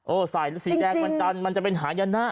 โอ้ใส่สีแดงวันจันทร์มันจะเป็นหายนะ